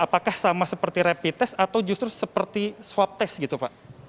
apakah sama seperti rapid test atau justru seperti swab test gitu pak